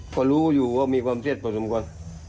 ก็รู้อยู่ว่ามีความเสียดประสงค์กว่า